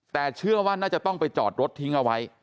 แต่เชื่อว่าน่าจะต้องไปจอดรถทิ้งเอาไว้